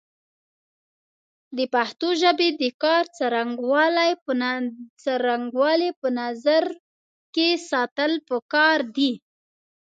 د پښتو ژبې د کار څرنګوالی په نظر کې ساتل پکار دی